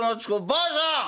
ばあさん！